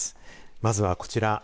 まずは、こちら。